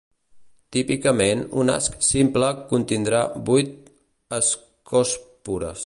Típicament, un asc simple contindrà vuit ascòspores.